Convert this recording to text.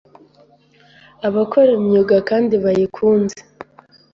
abakora imyuga kandi bayikunze